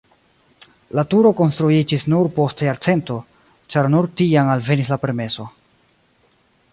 La turo konstruiĝis nur post jarcento, ĉar nur tiam alvenis la permeso.